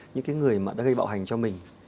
những cái người mà đã gây bạo hành cho mình